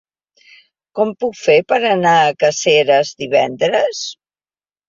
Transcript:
Com ho puc fer per anar a Caseres divendres?